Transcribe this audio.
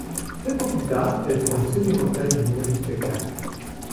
Sept ans plus tard, elle prend une semi-retraite du monde du spectacle.